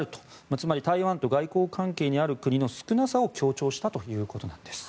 つまり台湾と外交関係にある国の少なさを強調したということなんです。